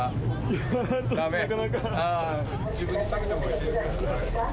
いや、自分で食べてもおいしいですから。